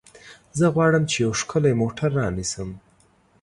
زه غواړم چې یو ښکلی موټر رانیسم.